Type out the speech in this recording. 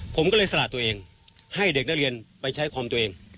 ผมก็เลยสละตัวเองให้เด็กนักเรียนไปใช้ความตัวเอง